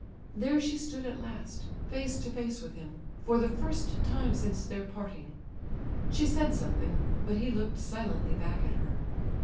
There she stood at last, face to face with him, for the first time since their parting. She said something, but he looked silently back at her.